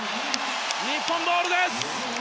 日本ボールです。